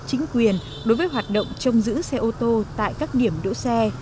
chính quyền đối với hoạt động trông giữ xe ô tô tại các điểm đỗ xe